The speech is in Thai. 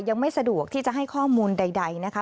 ยังไม่สะดวกที่จะให้ข้อมูลใดนะคะ